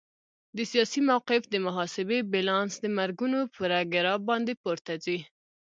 د سیاسي موقف د محاسبې بیلانس د مرګونو پر ګراف باندې پورته ځي.